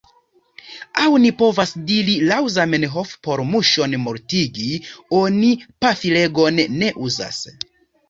Aŭ ni povas diri laŭ Zamenhof: por muŝon mortigi, oni pafilegon ne uzas.